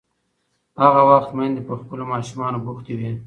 هغه وخت میندې په خپلو ماشومانو بوختې وې.